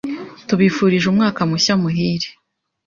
tubifurije Umwaka mushya muhire